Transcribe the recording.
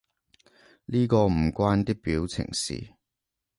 呢個唔關啲表情事